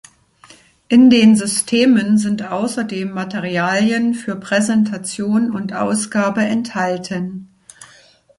In den Systemen sind außerdem Materialien für Präsentation und Ausgabe enthalten.